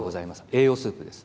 栄養スープです。